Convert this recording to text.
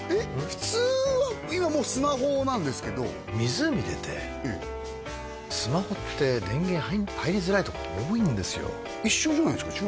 普通は今もうスマホなんですけど湖出てええスマホって電源入りづらい所が多いんですよ一緒じゃないんですか？